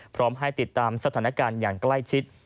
พร้อมให้ติดตามสถานการณ์อย่างใกล้ชิด